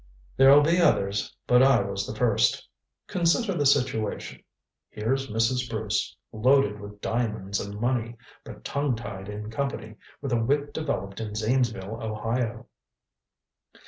There'll be others, but I was the first. Consider the situation. Here's Mrs. Bruce, loaded with diamonds and money, but tongue tied in company, with a wit developed in Zanesville, Ohio.